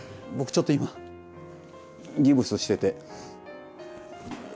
僕ちょっと今ギプスしてて。